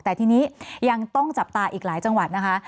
แต่ทีนี้ยังต้องจับตาอีกหลายจังหวัดนะคะ